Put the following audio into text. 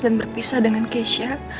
dan berpisah dengan keisha